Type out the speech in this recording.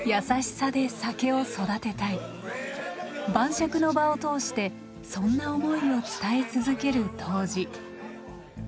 晩酌の場を通してそんな思いを伝え続ける杜氏。